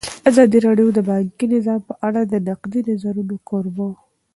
ازادي راډیو د بانکي نظام په اړه د نقدي نظرونو کوربه وه.